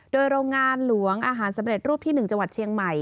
โดยโรงงานหลวงอาหารสำเร็จรูปที่๑จังหวัดเชียงใหม่